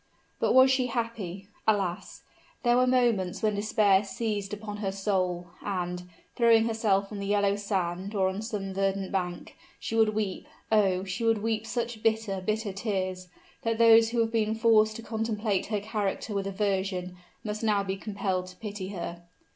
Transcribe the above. But was she happy? Alas! there were moments when despair seized upon her soul; and, throwing herself on the yellow sand, or on some verdant bank, she would weep oh! she would weep such bitter, bitter tears, that those who have been forced to contemplate her character with aversion, must now be compelled to pity her.